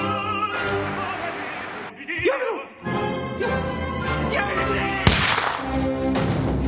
やめろややめてくれー！